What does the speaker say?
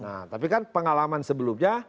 nah tapi kan pengalaman sebelumnya